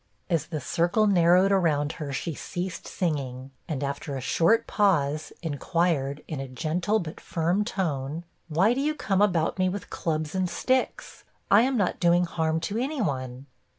As the circle narrowed around her, she ceased singing, and after a short pause, inquired, in a gentle but firm tone, 'Why do you come about me with clubs and sticks? I am not doing harm to any one.'